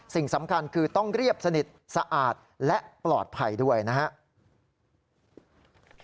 สิ่งสำคัญคือต้องเรียบสนิทสะอาดและปลอดภัยด้วยนะครับ